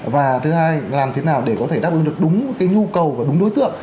và thứ hai làm thế nào để có thể đáp ứng được đúng cái nhu cầu và đúng đối tượng